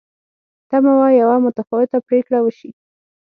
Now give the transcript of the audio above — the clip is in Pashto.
تمه وه یوه متفاوته پرېکړه وشي.